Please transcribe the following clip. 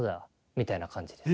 みたいな感じです。